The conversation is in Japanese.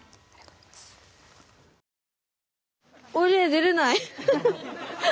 出れない！